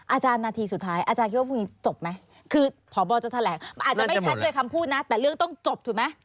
นาทีสุดท้ายอาจารย์คิดว่าพรุ่งนี้จบไหมคือพบจะแถลงมันอาจจะไม่ชัดโดยคำพูดนะแต่เรื่องต้องจบถูกไหม